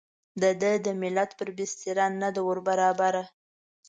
د ده د ملت پر بستر نه ده وربرابره.